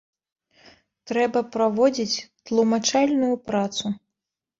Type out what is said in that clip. Трэба праводзіць тлумачальную працу.